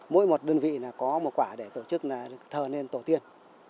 mỗi một đơn vị là có một quả để tổ chức thờ nên tổ tiên